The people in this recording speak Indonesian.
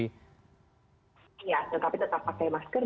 iya tetapi tetap pakai masker